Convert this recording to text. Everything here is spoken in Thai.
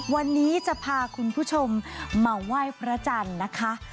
วันนี้จะพาคุณผู้ชมมาไหว้พระจันทร์นะคะ